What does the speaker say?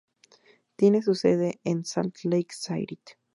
Tiene su sede en Salt Lake City.